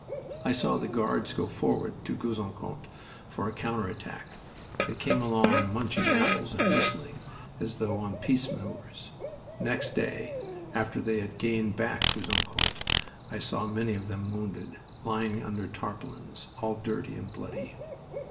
I saw the Guards go forward to Gouzeaucourt for a counter attack. They came along munching apples and whistling, as though on peace maneuvers. Next day, after they had gained back Gouzeaucourt, I saw many of them wounded, lying under tarpaulins, all dirty and bloody.